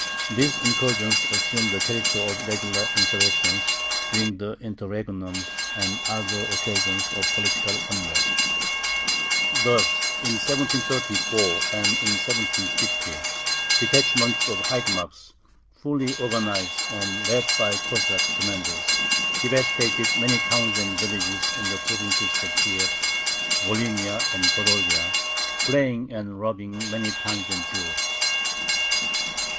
These incursions assumed the character of regular insurrections during the interregnums and on other occasions of political unrest. Thus, in 1734 and in 1750, detachments of haidamacks, fully organized and led by Cossack commanders, devastated many towns and villages in the provinces of Kiev, Volhynia, and Podolia, slaying and robbing many pans and Jews.